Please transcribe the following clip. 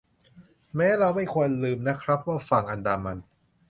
แม้เราไม่ควรลืมนะครับว่าฝั่งอันดามัน